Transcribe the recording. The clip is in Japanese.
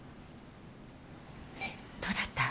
☎どうだった？